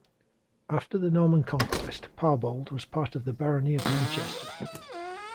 After the Norman conquest, Parbold was part of the Barony of Manchester.